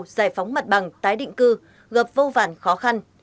giải phóng mặt bằng tái định cư gặp vô vản khó khăn